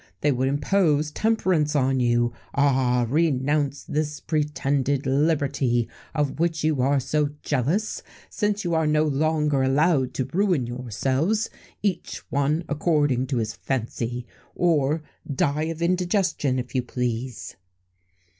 They would impose temperance on you! Ah! renounce this pretended liberty, of which you are so jealous, since you are no longer allowed to ruin yourselves, each one according to his fancy, or die of indigestion if you please."